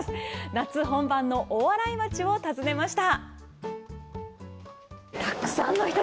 夏本番の大洗町を訪ねました。